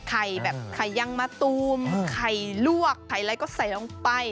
แบบไข่ยังมะตูมไข่ลวกไข่อะไรก็ใส่ลงไป